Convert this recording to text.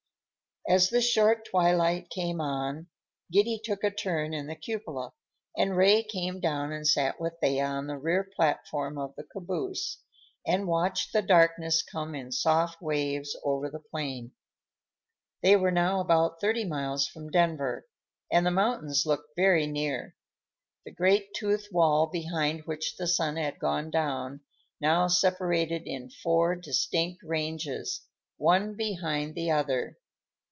As the short twilight came on, Giddy took a turn in the cupola, and Ray came down and sat with Thea on the rear platform of the caboose and watched the darkness come in soft waves over the plain. They were now about thirty miles from Denver, and the mountains looked very near. The great toothed wall behind which the sun had gone down now separated into four distinct ranges, one behind the other.